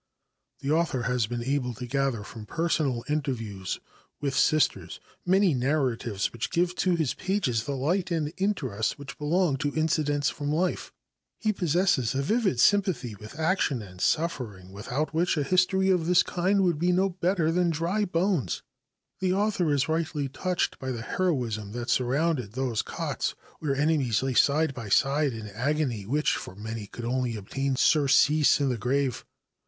The author has been able to gather from personal interviews with Sisters many narratives which give to his pages the light and interest which belong to incidents from life. He possesses the vivid sympathy with action and suffering, without which a history of this kind would be no better than dry bones. The author is rightly touched by the heroism that surrounded those cots, where enemies lay side by side in an agony, which, for many, could only obtain surcease in the grave.